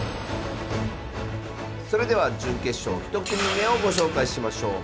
それでは準決勝１組目をご紹介しましょう。